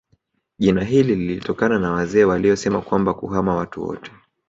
Jina hili lilitokana na wazee waliosema kwamba kuhama watu wote